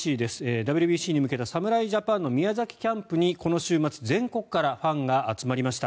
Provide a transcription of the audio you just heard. ＷＢＣに向けた侍ジャパンの宮崎キャンプにこの週末、全国からファンが集まりました。